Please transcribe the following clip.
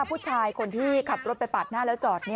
ผู้ชายคนที่ขับรถไปปาดหน้าแล้วจอด